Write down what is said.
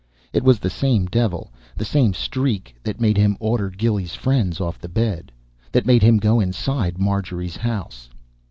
It was the same devil, the same streak that made him order Gilly's friends off the bed, that made him go inside Marjorie's house.